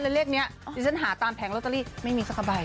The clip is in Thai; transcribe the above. แล้วเลขนี้ดิฉันหาตามแผงลอตเตอรี่ไม่มีสักใบ